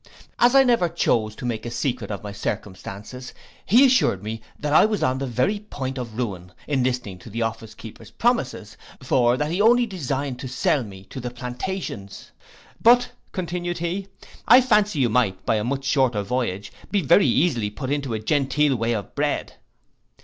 As I never chose to make a secret of my circumstances, he assured me that I was upon the very point of ruin, in listening to the office keeper's promises; for that he only designed to sell me to the plantations. But, continued he, I fancy you might, by a much shorter voyage, be very easily put into a genteel way of bread.